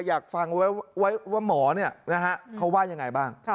อยากฟังไว้ว่าหมอเนี่ยนะฮะเขาว่ายังไงบ้าง